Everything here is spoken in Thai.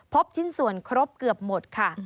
ชิ้นส่วนครบเกือบหมดค่ะ